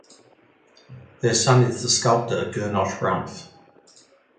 Their son is the sculptor Gernot Rumpf.